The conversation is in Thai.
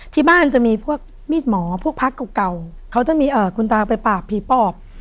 ที่บ้านจะมีพวกมีดหมอพวกพักเก่าเขาจะมีคุณตาไปปากผีปอบ